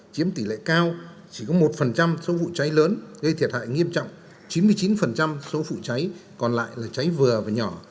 chiếm tỷ lệ cao chỉ có một số vụ cháy lớn gây thiệt hại nghiêm trọng chín mươi chín số vụ cháy còn lại là cháy vừa và nhỏ